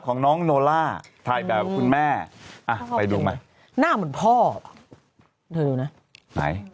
ของน้องโนล่าถ่ายแบบคุณแม่อ่ะไปดูไหมหน้าเหมือนพ่อเธอดูนะไหน